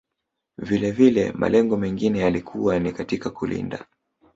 Vilevile malengo mengine yalikuwa ni katika kulinda